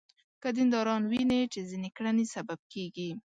که دینداران ویني چې ځینې کړنې سبب کېږي.